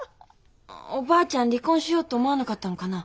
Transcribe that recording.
おばあちゃん離婚しようと思わなかったのかな。